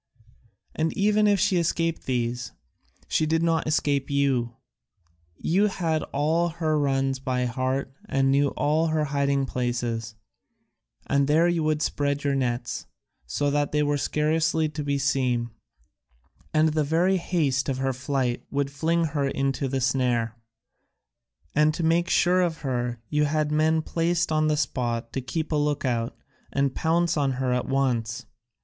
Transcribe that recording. And even if she escaped these, she did not escape you; you had all her runs by heart and knew all her hiding places, and there you would spread your nets, so that they were scarcely to be seen, and the very haste of her flight would fling her into the snare. And to make sure of her you had men placed on the spot to keep a look out, and pounce on her at once.